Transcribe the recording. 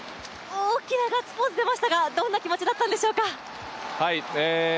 大きなガッツポーズでましたが、どんな気持ちだったんでしょうか？